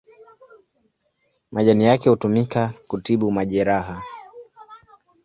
Majani yake hutumika kutibu majeraha.